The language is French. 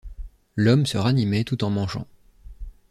L’homme se ranimait tout en mangeant.